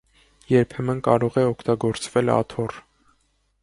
Երբեմն կարող է օգտագործվել աթոռ։